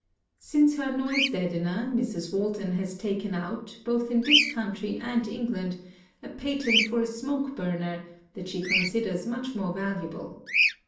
Since her noise deadener, Mrs. Walton has taken out, both in this country and England, a patent for a smoke burner, that she considers much more valu able.